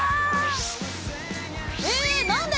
え何で！